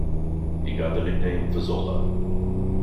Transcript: He got the nickname Fazola.